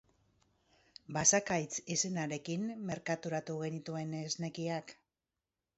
Basakaitz izenarekin merkaturatu genituen esnekiak.